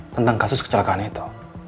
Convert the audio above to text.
tentang kasus kecelakaan itu